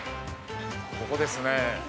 ◆ここですねー。